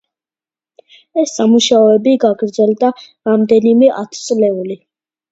ეს სამუშოები გაგრძელდა რამვენიმე ათწლეული.